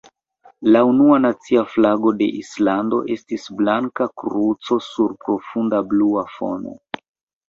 La unua nacia flago de Islando estis blanka kruco sur profunda blua fono.